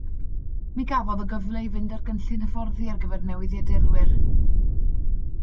Mi gafodd o gyfle i fynd ar gynllun hyfforddi ar gyfer newyddiadurwyr.